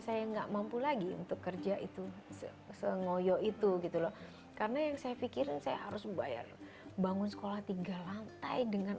sengoyo itu gitu loh karena yang saya pikirin saya harus membayar bangun sekolah tiga lantai dengan